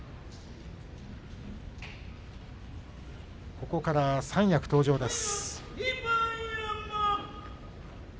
ここから三役登場です。